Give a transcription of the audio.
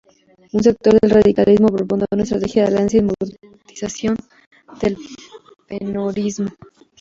Un sector del radicalismo propondrá una estrategia de alianza y democratización del peronismo.